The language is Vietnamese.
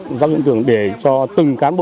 giáo dục chính sĩ tưởng để cho từng cán bộ